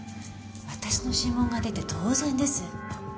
私の指紋が出て当然です。